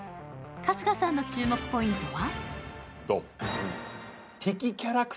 春日さんの注目ポイントは？